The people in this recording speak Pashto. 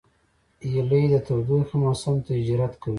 هیلۍ د تودوخې موسم ته هجرت کوي